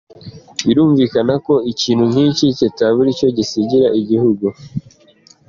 Birumvikana ko ikintu nk’iki kitabura icyo gisigira igihugu.